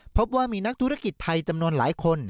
พบว่ามีนักธุรกิจไทยจำนวนหลายคน